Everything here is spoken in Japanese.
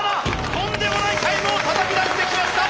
とんでもないタイムをたたき出してきました。